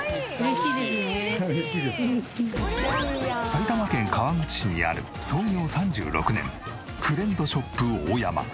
埼玉県川口市にある創業３６年フレンドショップオオヤマ。